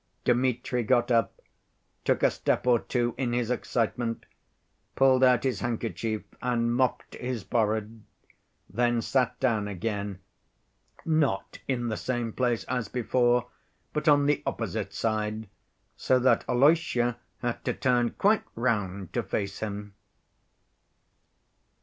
Dmitri got up, took a step or two in his excitement, pulled out his handkerchief and mopped his forehead, then sat down again, not in the same place as before, but on the opposite side, so that Alyosha had to turn quite round to face him.